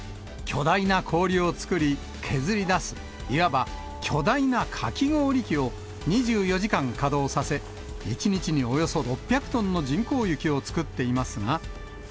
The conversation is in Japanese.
巨大な氷を作り、削り出す、いわば巨大なかき氷機を２４時間稼働させ、１日におよそ６００トンの人工雪を作っていますが。